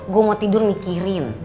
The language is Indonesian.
gua mau tidur mikirin